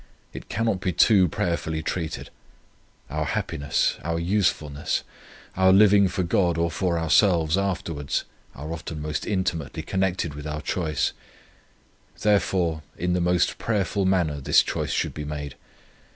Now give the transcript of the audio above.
It cannot be too prayerfully treated. Our happiness, our usefulness, our living for God or for ourselves afterwards, are often most intimately connected with our choice. Therefore, in the most prayerful manner, this choice should be made.